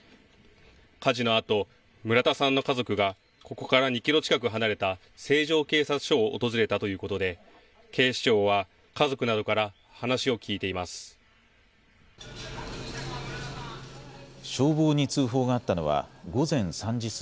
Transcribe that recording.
火事のあと村田さんの家族がここから２キロ近く離れた成城警察署を訪れたということで警視庁は家族などから話を聞いています。